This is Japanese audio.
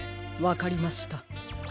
わかりました。